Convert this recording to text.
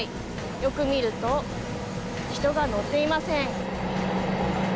よく見ると人が乗っていません。